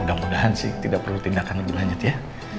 mudah mudahan sih tidak perlu tindakan lebih lanjut ya